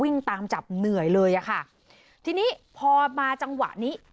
ตามจับเหนื่อยเลยอ่ะค่ะทีนี้พอมาจังหวะนี้